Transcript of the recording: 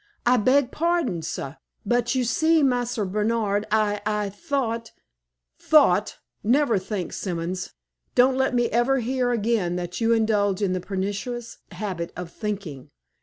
"I beg pardon, sah; but, you see, Marse Bernard, I I thought " "Thought! Never think, Simons. Don't let me ever hear again that you indulge in the pernicious habit of thinking!